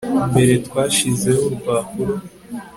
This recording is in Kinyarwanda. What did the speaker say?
Mbere twashizeho urupapuro